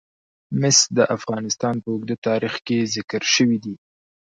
مس د افغانستان په اوږده تاریخ کې ذکر شوی دی.